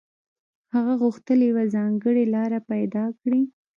هغه غوښتل يوه ځانګړې لاره پيدا کړي.